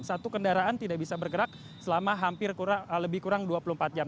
satu kendaraan tidak bisa bergerak selama hampir kurang lebih kurang dua puluh empat jam